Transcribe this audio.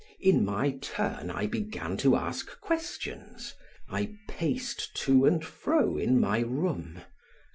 In my turn I began to ask questions; I paced to and fro in my room.